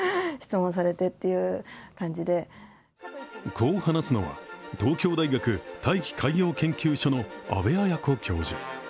こう話すのは東京大学大気海洋研究所の阿部彩子教授。